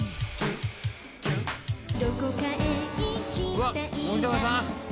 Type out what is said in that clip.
うわっ森高さん。